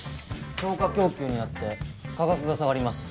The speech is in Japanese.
超過供給になって価格が下がります。